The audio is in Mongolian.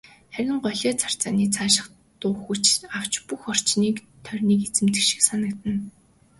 Харин голио царцааны шаагих дуу хүч авч бүх орчин тойрныг эзэмдэх шиг санагдана.